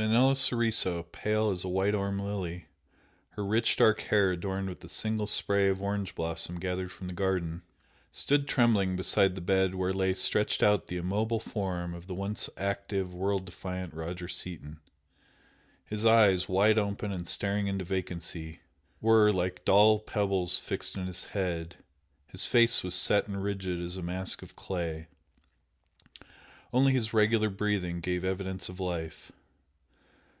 Manella Soriso, pale as a white arum lily, her rich dark hair adorned with a single spray of orange blossom gathered from the garden, stood trembling beside the bed where lay stretched out the immobile form of the once active, world defiant Roger Seaton. His eyes, wide open and staring into vacancy, were, like dull pebbles, fixed in his head, his face was set and rigid as a mask of clay only his regular breathing gave evidence of life.